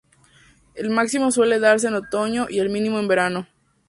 El máximo suele darse en otoño y el mínimo en verano.